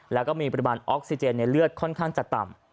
แล้วก็มีปริมาณออกซิเจนในเลือดค่อนข้างจะต่ำ